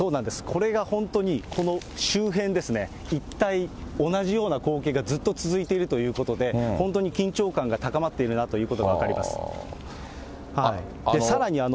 これが本当に、この周辺ですね、一帯同じような光景がずっと続いているということで、本当に緊張感が高まっているなということが分かります。